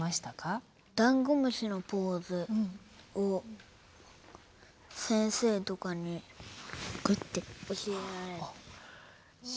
ダンゴムシのポーズを先生とかにこうやって教えられ。